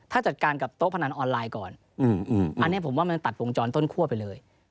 ถ้าจัดการกับโต๊ะพนันออนไลน์ก่อนอันนี้ผมว่ามันตัดวงจรต้นคั่วไปเลย